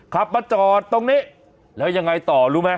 ขับมาจอดตรงนี้แล้วยังไงต่อรู้ไหม